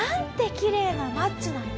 きれいなマッチョなの！